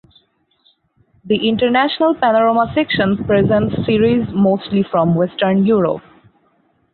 The International panorama section presents series mostly from Western Europe.